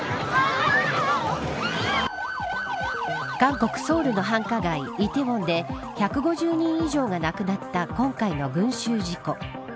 韓国、ソウルの繁華街梨泰院で１５０人以上が亡くなった今回の群衆事故。